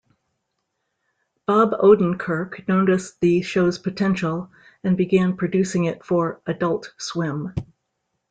Bob Odenkirk noticed the show's potential, and began producing it for Adult Swim.